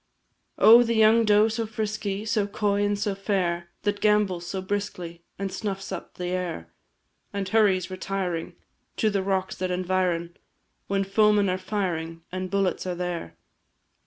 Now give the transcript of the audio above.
Oh, the young doe so frisky, So coy, and so fair, That gambols so briskly, And snuffs up the air; And hurries, retiring, To the rocks that environ, When foemen are firing, And bullets are there.